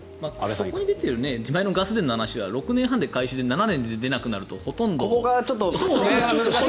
そこに出ている自前のガス田の話は６年半で回収で７年で出なくなるとほとんど。